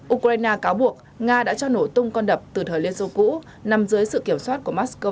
ukraine cáo buộc nga đã cho nổ tung con đập từ thời liên xô cũ nằm dưới sự kiểm soát của moscow